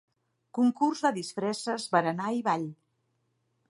Concurs de disfresses, berenar i ball.